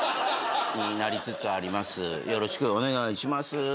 よろしくお願いします。